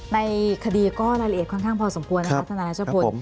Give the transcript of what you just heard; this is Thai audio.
ในคดีก็รายละเอียดค่อนข้างพอสมควรนะคะทนายรัชพล